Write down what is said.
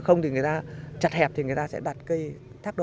không thì người ta chặt hẹp thì người ta sẽ đặt cây thác đó